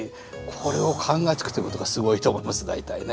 これを考えつくっていうことがすごいと思います大体ね。